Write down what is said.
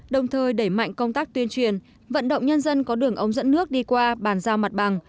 đồng thời đẩy mạnh công tác tuyên truyền vận động nhân dân có đường ống dẫn nước đi qua bàn giao mặt bằng